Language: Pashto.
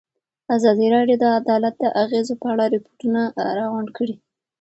ازادي راډیو د عدالت د اغېزو په اړه ریپوټونه راغونډ کړي.